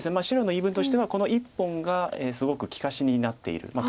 白の言い分としてはこの１本がすごく利かしになっている。